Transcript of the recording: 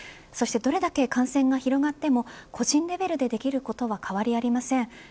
そしてどれだけ感染が広がっても個人レベルでできることは変わりありません。